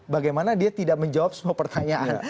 bagaimana dia tidak menjawab semua pertanyaan